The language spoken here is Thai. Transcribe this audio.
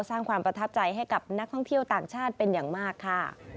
สร้างความประทับใจให้กับนักท่องเที่ยวต่างชาติเป็นอย่างมากค่ะ